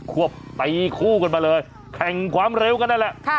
ควบไปคู่กันมาเลยแข่งความเร็วกันได้แหละค่ะ